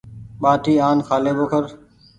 ٻآٽي آن کآلي ٻوکر۔